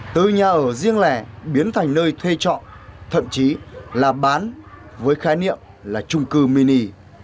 từ nhà ở riêng lẻ biến thành nơi thuê trọ thậm chí là bán với khái niệm là trung cư mini